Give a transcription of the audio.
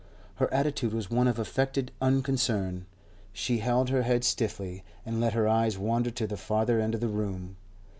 Her attitude was one of affected unconcern; she held her head stiffly, and let her eyes wander to the farther end of the room.